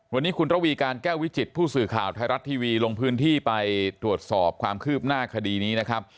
วันนี้คุณระวีการแก้ววิจิตผู้สื่อข่าวไทยรัฐทีวีลงพื้นที่ไปตรวจสอบความคืบหน้าคดีนี้นะครับ